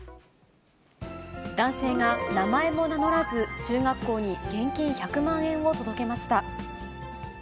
男性が名前も名乗らず、中学校に現金１００万円を届けました。